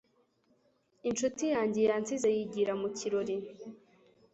inshuti yanjye yansize yigira mu kirori